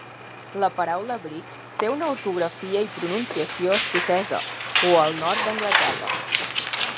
La paraula "breeks" té una ortografia i pronunciació escocesa o el nord d'Anglaterra.